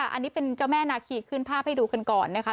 อันนี้เป็นเจ้าแม่นาคีขึ้นภาพให้ดูกันก่อนนะคะ